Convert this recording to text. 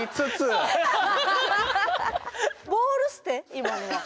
今のは。